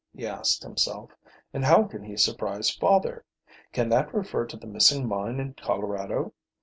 he asked himself. "And how can he surprise father? Can that refer to the missing mine in Colorado?